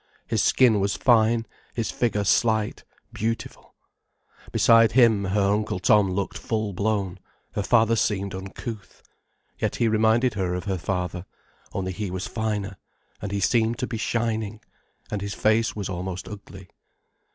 His skin was fine, his figure slight, beautiful. Beside him, her Uncle Tom looked full blown, her father seemed uncouth. Yet he reminded her of her father, only he was finer, and he seemed to be shining. And his face was almost ugly.